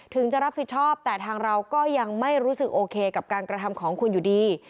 จะรับผิดชอบแต่ทางเราก็ยังไม่รู้สึกโอเคกับการกระทำของคุณอยู่ดี